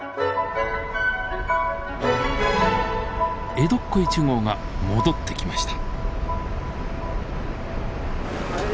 江戸っ子１号が戻ってきました。